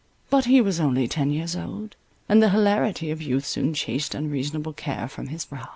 But he was only ten years old; and the hilarity of youth soon chased unreasonable care from his brow.